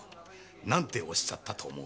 何ておっしゃったと思う？